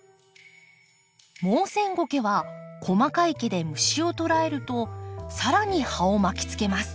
モウセンゴケは細かい毛で虫を捕らえると更に葉を巻きつけます。